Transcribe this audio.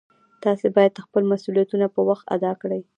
تاسې باید خپل مسؤلیتونه په وخت ادا کړئ